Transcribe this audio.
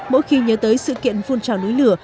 mỗi khi nhớ tới sự kiện phun trào núi lửa